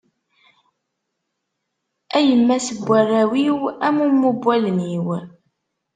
A yemma-s n warraw-iw, a mumu n wallen-iw.